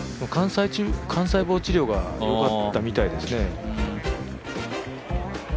幹細胞治療がよかったみたいですね。